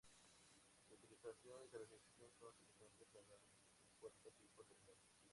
Su utilización y características son semejantes a la compuerta tipo sector.